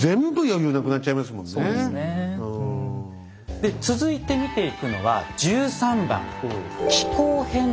で続いて見ていくのは１３番「気候変動」です。